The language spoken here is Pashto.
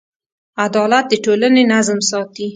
عدالت د ټولنې نظم ساتي.